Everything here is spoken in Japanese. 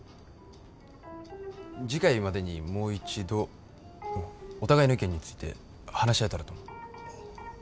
次回までにもう一度お互いの意見について話し合えたらと思う。